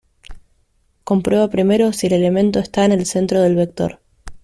Comprueba primero si el elemento está en el centro del vector.